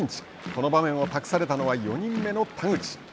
この場面を託されたのは４人目の田口。